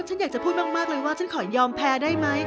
ฉันอยากจะพูดมากเลยว่าฉันขอยอมแพ้ได้ไหม